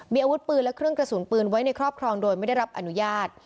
มีอาวุธปืนและเครื่องกระสุนปืนไว้ในครอบครองโดยไม่ได้รับอนุญาต